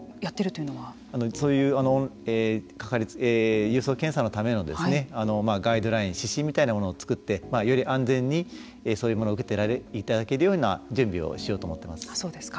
そういう郵送検査のためのガイドライン指針みたいなものを作ってより安全にそういうものを受けていただけるような準備をしようと思ってます。